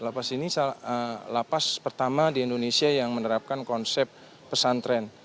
lapas ini lapas pertama di indonesia yang menerapkan konsep pesantren